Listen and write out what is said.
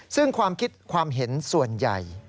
ซึ่งความคิดความเห็นส่วนใหญ่